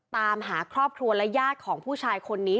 ตามหาครอบครัวและญาติของผู้ชายคนนี้